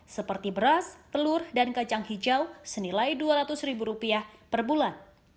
seperti beras telur dan kacang hijau senilai rp dua ratus per bulan